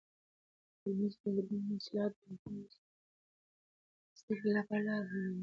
د ټولنیزو دودونو اصلاح د نجونو د زده کړې لپاره لاره هواروي.